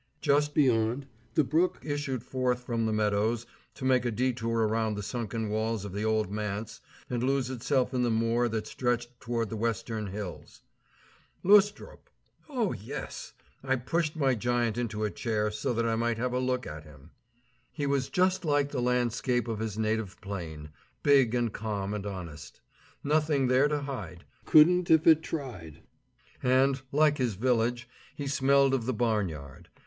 Just beyond, the brook issued forth from the meadows to make a detour around the sunken walls of the old manse and lose itself in the moor that stretched toward the western hills. Lustrup! Oh, yes! I pushed my giant into a chair so that I might have a look at him. [Illustration: Ribe, in my Childhood. Seen from Elisabeth's garden] He was just like the landscape of his native plain; big and calm and honest. Nothing there to hide; couldn't if it tried. And, like his village, he smelled of the barn yard.